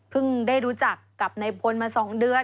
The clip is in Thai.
เพิ่งได้รู้จักกลับในโบรนด์มา๒เดือน